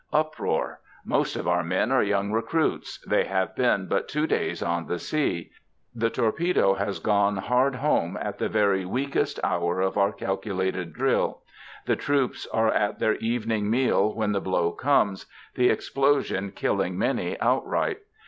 Uproar! Most of our men are young recruits: they have been but two days on the sea. The torpedo has gone hard home at the very weakest hour of our calculated drill. The troops are at their evening meal when the blow comes, the explosion killing many outright.